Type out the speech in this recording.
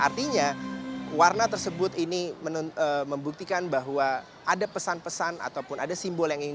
artinya warna tersebut ini membuktikan bahwa ada pesan pesan ataupun ada simbol yang ingin